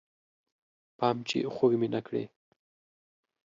پام چې خوږ مې نه کړې